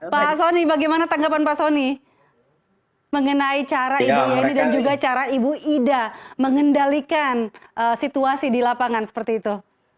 pak soni bagaimana tanggapan pak soni mengenai cara ibu yani dan ibu ida mengendalikan situasi di lapangan seperti itu